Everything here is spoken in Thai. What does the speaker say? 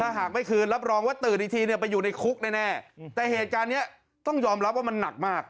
หากไม่คืนรับรองว่าตื่นอีกทีเนี่ยไปอยู่ในคุกแน่แต่เหตุการณ์นี้ต้องยอมรับว่ามันหนักมาก